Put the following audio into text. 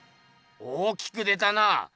大きく出たな。